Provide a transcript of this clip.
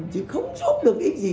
chứ không giúp được ích gì